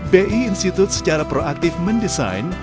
b i institute secara proaktif mendesain